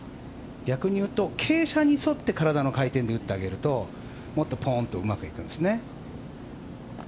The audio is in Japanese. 逆にいうと傾斜に沿って体の回転で打ってあげるともっとうまくいくんですね。